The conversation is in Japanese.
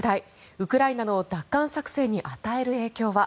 ウクライナの奪還作戦に与える影響は？